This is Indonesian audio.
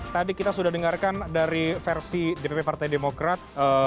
tadi kita sudah dengarkan dari versi dpp partai demokrat